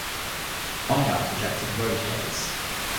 Find out projected road dates.